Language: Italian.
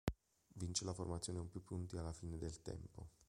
Vince la formazione con più punti alla fine del tempo.